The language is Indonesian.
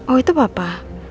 oh itu papa